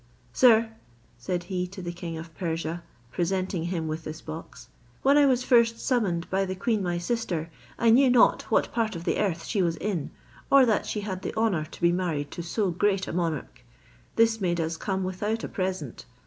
"Sir," said he to the king of Persia, presenting him with this box, "when I was first summoned by the queen my sister, I knew not what part of the earth she was in, or that she had the honour to be married to so great a monarch. This made us come without a present.